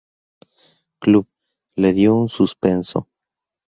Club" le dio un suspenso.